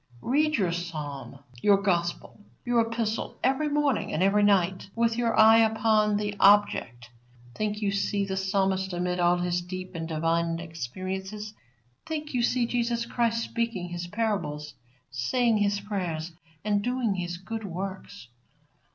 Read your Psalm, your Gospel, your Epistle every morning and every night with your eye upon the object. Think you see the Psalmist amid all his deep and divine experiences. Think you see Jesus Christ speaking His parables, saying His prayers, and doing His good works.